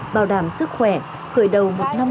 bảo đảm sức khỏe khởi đầu một năm mới an toàn thuận lợi